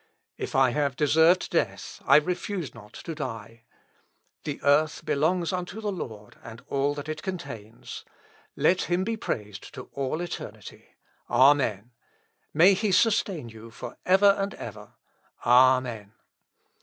If I have deserved death I refuse not to die. The earth belongs unto the Lord, and all that it contains. Let him be praised to all eternity. Amen. May he sustain you for ever and ever. Amen.